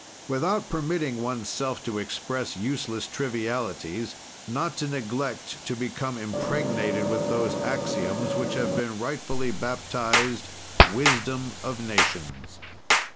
"Without permitting oneself to express useless trivialities, not to neglect to become impregnated with those axioms which have been rightfully baptized, 'wisdom of nations.'